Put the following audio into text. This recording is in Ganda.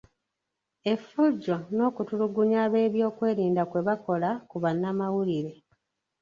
Effujjo n’okutulugunya ab’ebyokwerinda kwe bakola ku bannamawulire.